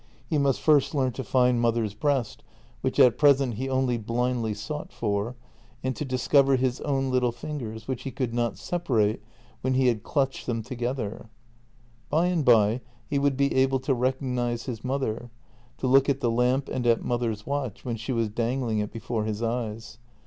He must first learn to find JENNY 253 mother's breast, which at present he only blindly sought for, and to discover his own little fingers, which he could not sepa rate when he had clutched them together. By and by he would be able to recognize his mother, to look at the lamp and at mother's watch when she was dangling it before his eyes.